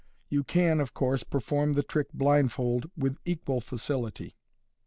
You can, of course, perform the trick blindfold with equal facility.